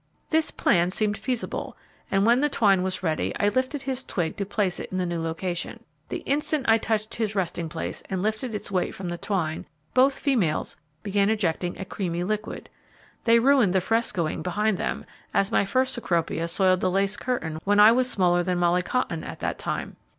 This plan seemed feasible, and when the twine was ready, I lifted his twig to place it in the new location. The instant I touched his resting place and lifted its weight from the twine both females began ejecting a creamy liquid. They ruined the frescoing behind them, as my first Cecropia soiled the lace curtain when I was smaller than Molly Cotton at that time.